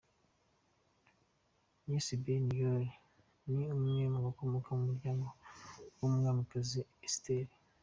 Yossi Ben Yair ni umwe mu bakomoka mu muryango w’Umwamikazi Esiteri.